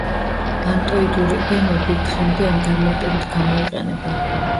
ბანტოიდური ენები დღემდე ამ განმარტებით გამოიყენება.